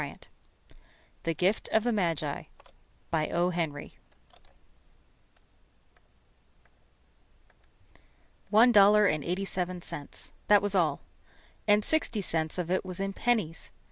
HENRY The Gift of the Magi[11 1] One dollar and eighty seven cents. That was all. And sixty cents of it was in pennies.